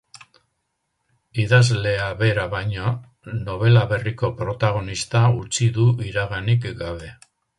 Idazlea bera baino, nobela berriko protagonista utzi du iraganik gabe.